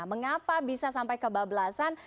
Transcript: mengapa bisa sampai kebablasan